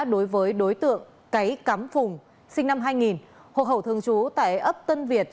đối với đối tượng cáy cắm phùng sinh năm hai nghìn hộ khẩu thường trú tại ấp tân việt